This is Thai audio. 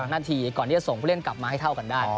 นาทีก่อนที่จะส่งผู้เล่นกลับมาให้เท่ากันได้